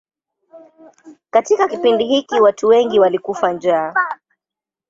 Katika kipindi hiki watu wengi walikufa njaa.